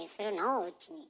おうちに。